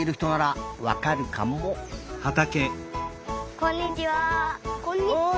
こんにちは。